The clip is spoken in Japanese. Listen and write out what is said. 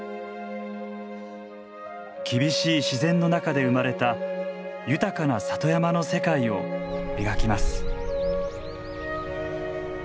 厳しい自然の中で生まれた豊かな里山の世界を描きます。